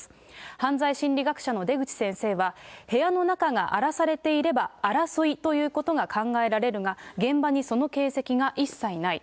犯罪心理学者の出口先生は、部屋の中が荒らされていれば、争いということが考えられるが、現場にその形跡が一切ない。